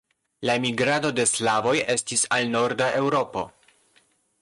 La migrado de slavoj estis al norda Eŭropo.